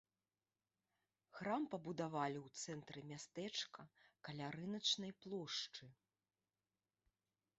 Храм пабудавалі ў цэнтры мястэчка, каля рыначнай плошчы.